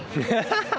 ハハハハ！